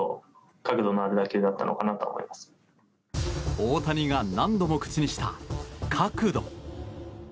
大谷が何度も口にした角度。